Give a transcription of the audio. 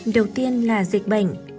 đầu tiên là dịch bệnh